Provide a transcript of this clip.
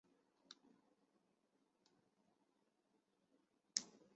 桑比亚半岛在德语及日耳曼语族中称为桑兰。